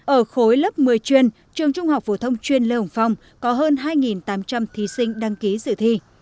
ở khối lớp một mươi chuyên trường trung học phổ thông chuyên lê hồng phong có hơn hai tám trăm linh thí sinh đăng ký dự thi